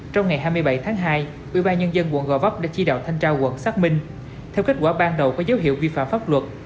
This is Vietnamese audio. trong ngày hai mươi bảy tháng hai ủy ban nhân dân quận gò vấp đã chi đạo thanh trao quận xác minh theo kết quả ban đầu có dấu hiệu vi phạm pháp luật